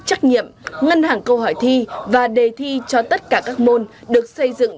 trách nhiệm ngân hàng câu hỏi thi và đề thi cho tất cả các môn được xây dựng